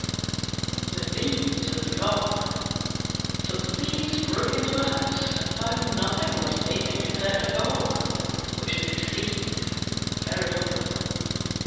THE THIEVES AND THE COCK Some Thieves broke into a house, and found nothing worth taking except a Cock, which they seized and carried off with them.